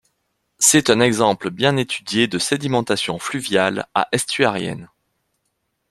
C'est un exemple bien étudié de sédimentation fluviale à estuarienne.